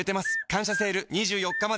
「感謝セール」２４日まで